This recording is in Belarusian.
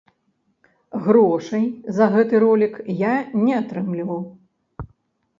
Грошай за гэты ролік я не атрымліваў.